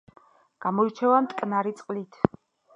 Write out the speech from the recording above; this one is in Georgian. გამოირჩევა მტკნარი წყლით.